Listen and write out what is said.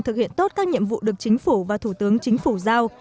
thực hiện tốt các nhiệm vụ được chính phủ và thủ tướng chính phủ giao